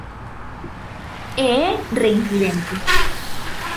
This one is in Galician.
E é reincidente.